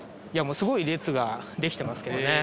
すごい列ができてますけどね